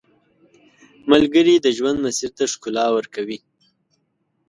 ملګری د ژوند مسیر ته ښکلا ورکوي